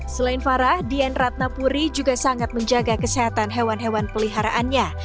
selain farah dian ratnapuri juga sangat menjaga kesehatan hewan hewan peliharaannya